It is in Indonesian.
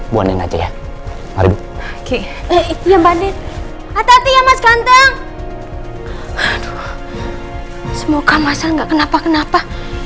buangin aja ya hari itu yang bandit atau diamantang semoga masal enggak kenapa kenapa